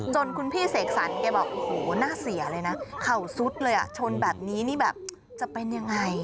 จนคุณพี่เสกสรรแกบอกโอ้โหน่าเสียเลยนะเข่าซุดเลยอ่ะชนแบบนี้นี่แบบจะเป็นยังไง